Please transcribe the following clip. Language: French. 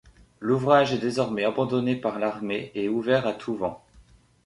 L’ouvrage est désormais abandonné par l'Armée et ouvert à tous vents.